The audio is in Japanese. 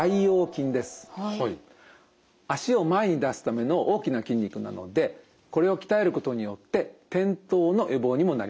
足を前に出すための大きな筋肉なのでこれを鍛えることによって転倒の予防にもなります。